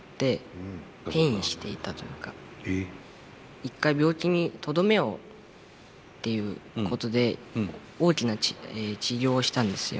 一回病気にとどめをっていうことで大きな治療をしたんですよ。